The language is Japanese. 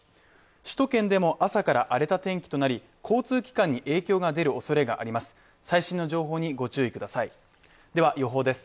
首都圏でも朝から荒れた天気となり、交通機関に影響が出るおそれがあります。